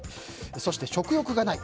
そして、食欲がない。